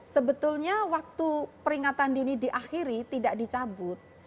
sebetulnya waktu peringatan dini diakhiri tidak dicabut